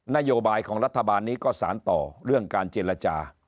นโยบายของรัฐบาลนี้ก็สารต่อเรื่องการเจรจา